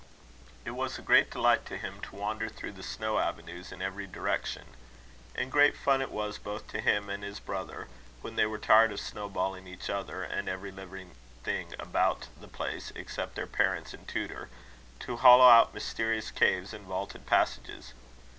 It was a great delight to him to wander through the snow avenues in every direction; and great fun it was, both to him and his brother, when they were tired of snowballing each other and every living thing about the place except their parents and tutor, to hollow out mysterious caves and vaulted passages.